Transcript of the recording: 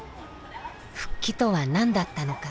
復帰とは何だったのか。